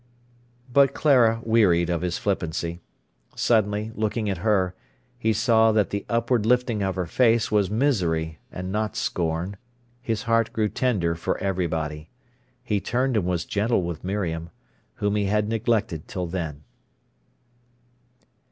But Clara wearied of his flippancy. Suddenly, looking at her, he saw that the upward lifting of her face was misery and not scorn. His heart grew tender for everybody. He turned and was gentle with Miriam, whom he had neglected till then.